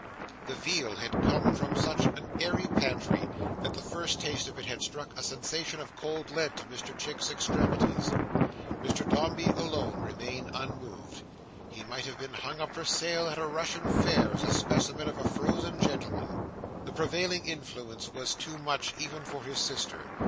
The veal had come from such an airy pantry, that the first taste of it had struck a sensation as of cold lead to Mr Chick's extremities. Mr Dombey alone remained unmoved. He might have been hung up for sale at a Russian fair as a specimen of a frozen gentleman. The prevailing influence was too much even for his sister.